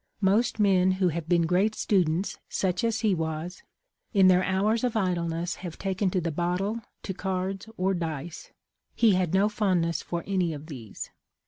Most men who have been great students, such as he was, in their hours of idleness have taken to the bottle, to cards or dice. He had no fondness for any of these.